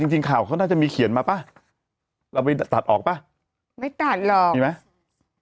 จริงข่าวเขาน่าจะมีเขียนมาป่ะเราไปตัดออกป่ะไม่ตัดหรอกมีไหม